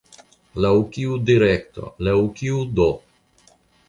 Laŭ kiu direkto, laŭ kiu do?